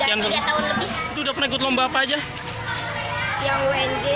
itu udah perempuan apa aja yang wnj